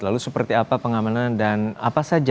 lalu seperti apa pengamanan dan apa saja